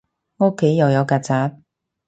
屋企又有曱甴